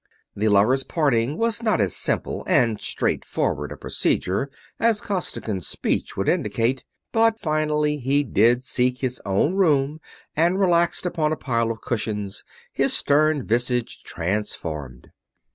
The lovers' parting was not as simple and straightforward a procedure as Costigan's speech would indicate, but finally he did seek his own room and relaxed upon a pile of cushions, his stern visage transformed.